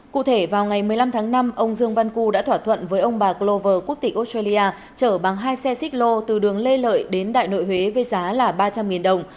cụ thể vào ngày một mươi năm tháng năm ông dương văn cư đã thỏa thuận với ông bà glover quốc tịch australia chở bằng hai xe xích lô từ đường lê lợi đến đại nội huế với giá là ba trăm linh đồng